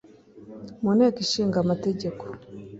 mu nteko ishinga amategeko